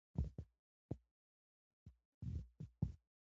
زه په موبایل کې مصروفه یم